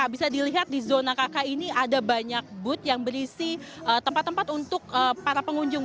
bisa dilihat di zona kk ini ada banyak booth yang berisi tempat tempat untuk para pengunjung